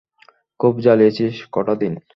খুব জ্বালিয়েছিস কটা দিন।